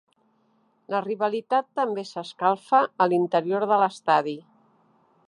La rivalitat també s"escalfa a l"interior de l"estadi.